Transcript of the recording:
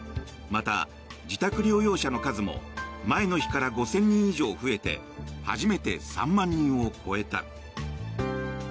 また、自宅療養者の数も前の日から５０００人以上増えて初めて３万人を超えた。